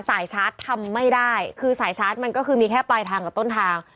สายชาร์จทำไม่ได้คือสายชาร์จมันก็คือมีแค่ปลายทางกับต้นทาง